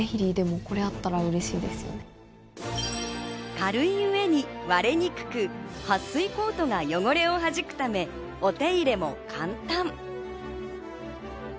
軽い上に割れにくく、撥水コートが汚れをはじくため、お手入れも簡単。